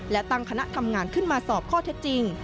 และตั้งคณะทำงานขึ้นมาสอบข้อเท็จจริง